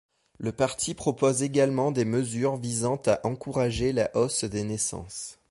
Le parti propose également des mesures visant à encourager la hausse des naissances.